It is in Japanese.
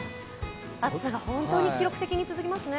暑さが本当に記録的に続きますね。